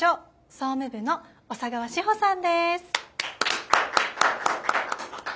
総務部の小佐川志穂さんです。